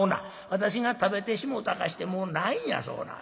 私が食べてしもうたかしてもうないんやそうな。